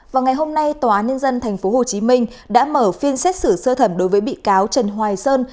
vào ngày hôm nay tòa án nhân dân thành phố hồ chí minh đã mở phiên xét xử sơ thẩm đối với bị cáo trần hoài sơn